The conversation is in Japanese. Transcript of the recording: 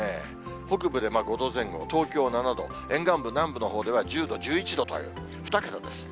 北部で５度前後、東京７度、沿岸部、南部のほうでは１０度、１１度という、２桁です。